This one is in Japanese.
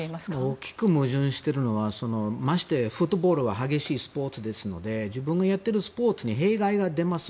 大きく矛盾しているのはまして、フットボールは激しいスポーツですので自分がやっているスポーツに弊害が出ます。